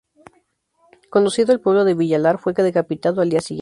Conducido al pueblo de Villalar, fue decapitado al día siguiente.